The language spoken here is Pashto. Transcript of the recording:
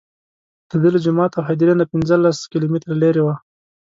دده له جومات او هدیرې نه پنځه لس کیلومتره لرې وه.